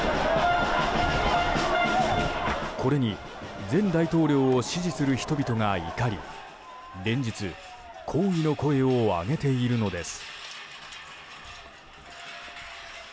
これに前大統領を支持する人々が怒り連日抗議の声を上げているのです。